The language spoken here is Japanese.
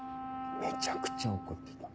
めちゃくちゃ怒ってた。